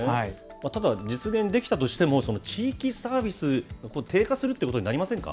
ただ実現できたとしても、地域サービス、低下するということになりませんか？